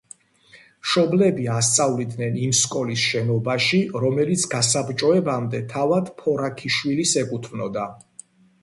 მშობლები ასწავლიდნენ იმ სკოლის შენობაში, რომელიც გასაბჭოებამდე თავად ფორაქიშვილის ეკუთვნოდა.